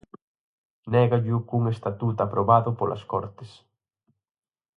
Négallo cun Estatut aprobado polas Cortes.